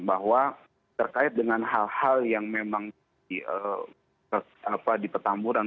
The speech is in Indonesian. bahwa terkait dengan hal hal yang memang di petamburan